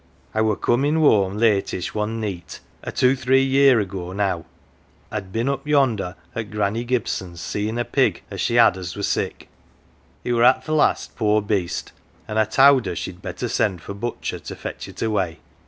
I were comm' whoam latish, one neet, a two three year 184 OF THE WALL ago now. I'd been up yonder at Granny Gibson's seem 1 a pig as she had as were sick. It were at th' last, poor beast, an 1 1 towd her she'd best send for butcher to fetch it away.